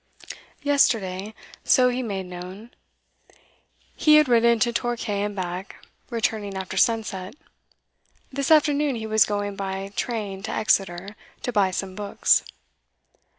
Yesterday, so he made known, he had ridden to Torquay and back, returning after sunset. This afternoon he was going by train to Exeter, to buy some books.